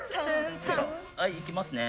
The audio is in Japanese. はいいきますね。